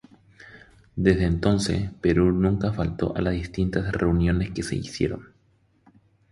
Desde entonces, Perú nunca faltó a las distintas reuniones que se hicieron.